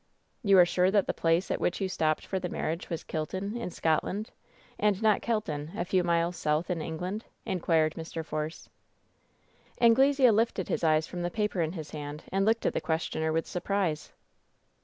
"You are sure that the place at which you stopped for the marriage was Kilton, in Scotland, and not Kelton, a few miles south in England ?" inquired Mr. Force. Anglesea lifted his eyes from the paper in his hand and looked at the questioner with surprise.